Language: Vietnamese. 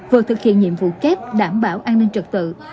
vừa thực hiện nhiệm vụ kép đảm bảo an ninh trật tự